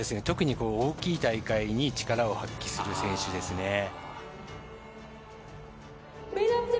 特に大きい大会で力を発揮する選手ですね。